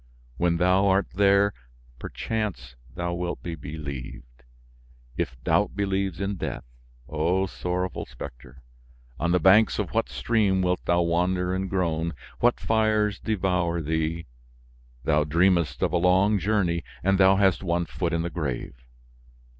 When thou art there, perchance thou wilt be believed, if doubt believes in death. O sorrowful specter! On the banks of what stream wilt thou wander and groan? What fires devour thee? Thou dreamest of a long journey and thou hast one foot in the grave!